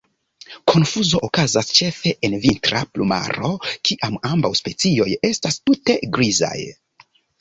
Konfuzo okazas ĉefe en vintra plumaro, kiam ambaŭ specioj estas tute grizaj.